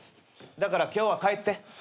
だから今日は帰って。